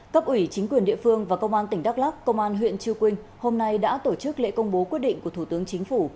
cấp ủy chính quyền địa phương và công an tỉnh đắk lắc công an huyện chư quynh hôm nay đã tổ chức lễ công bố quyết định của thủ tướng chính phủ